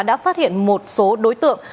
đã phát hiện một số đối tượng